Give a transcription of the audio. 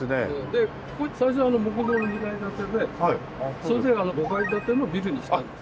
で最初は木造２階建てでそれで５階建てのビルにしたんです。